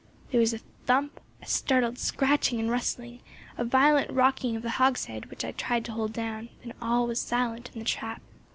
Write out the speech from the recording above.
There was a thump, a startled scratching and rustling, a violent rocking of the hogshead, which I tried to hold down; then all was silent in the trap.